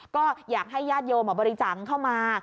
ก็อยากให้ญาติโยมบริจาคเข้ามา